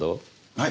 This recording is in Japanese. はい？